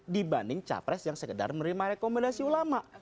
dibanding cawapres yang sekadar menerima rekomendasi ulama